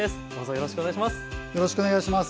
よろしくお願いします。